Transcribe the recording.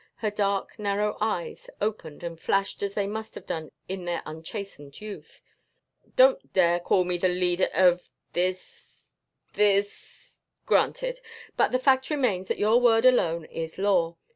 Her dark narrow eyes opened and flashed as they must have done in their unchastened youth. "Don't dare call me the leader of this this!" "Granted. But the fact remains that your word alone is law.